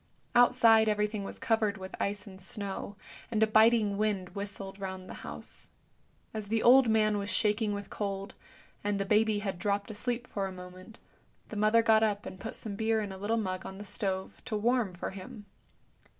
Outside everything was covered with ice and snow, and a biting wind whistled round the house. As the old man was shaking with cold, and the baby had dropped asleep for a moment, the mother got up and put some beer in a little mug on the stove to warm for him.